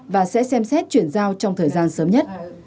và sẽ xem xét chuyển giao trong thời gian sớm nhất